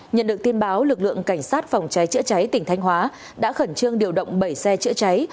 nhận được tin báo lực lượng cảnh sát phòng cháy chữa cháy tỉnh thanh hóa đã khẩn trương điều động bảy xe chữa cháy